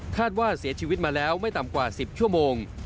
ว่าเสียชีวิตมาแล้วไม่ต่ำกว่า๑๐ชั่วโมง